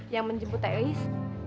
yang menjemput takis